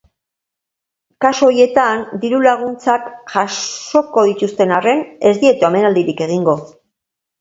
Kasu horietan, diru-laguntzak jasoko dituzten arren, ez diete omenaldirik egingo.